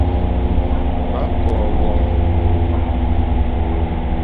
Ba kôa won.